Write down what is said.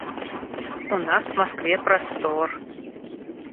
У нас в Москве простор.